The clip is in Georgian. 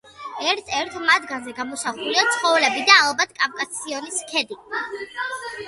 ერთ-ერთ მათგანზე გამოსახულია ცხოველები და ალბათ კავკასიონის ქედი.